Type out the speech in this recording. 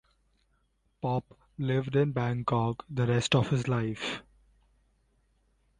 Pop lived in Bangkok the rest of his life.